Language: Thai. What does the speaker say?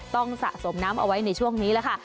สะสมน้ำเอาไว้ในช่วงนี้แหละค่ะ